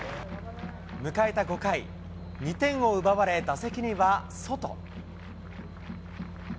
迎えた５回、２点を奪われ、打席にはソト。